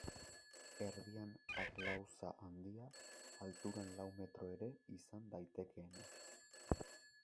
Erdian harlauza handia, alturan lau metro ere izan daitekeena.